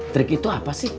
trik itu apa sih